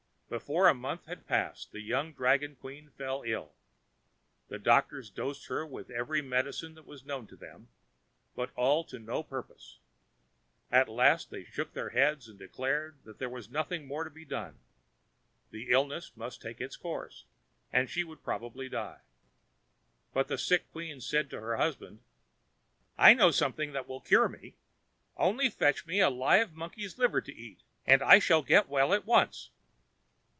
Before a month had passed, the young dragon queen fell ill. The doctors dosed her with every medicine that was known to them, but all to no purpose. At last they shook their heads, declaring that there was nothing more to be done. The illness must take its course, and she would probably die. But the sick queen said to her husband: "I know of something that will cure me. Only fetch me a live monkey's liver to eat, and I shall get well at once."